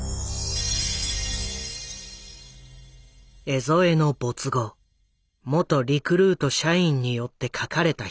江副の没後元リクルート社員によって書かれた評伝。